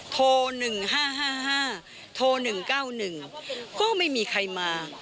โทรหนึ่งห้าห้าห้าโทรหนึ่งเก้าหนึ่งก็ไม่มีใครมา